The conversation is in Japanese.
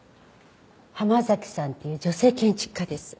浜崎さんっていう女性建築家です。